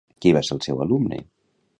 Qui va ser el seu alumne?